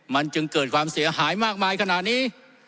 มันจึงเกิดความเสียหายมากมายขนาดนี้